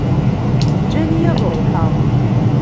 Ǧǧan-iyi ad ṛuḥeɣ.